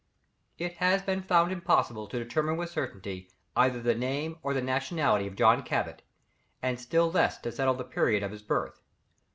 ] It has been found impossible to determine with certainty either the name or the nationality of John Cabot, and still less to settle the period of his birth.